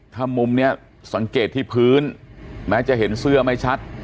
ถ้ามุมนี้สังเกตที่พื้นแม้จะเห็นเสื้อไม่ชัด